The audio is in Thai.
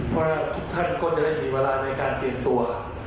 เพราะทุกท่านก็จะได้มีเวลาในการเตรียมตัว